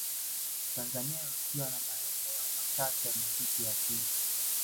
tanzania imebakiwa na maeneo machache ya misitu ya asili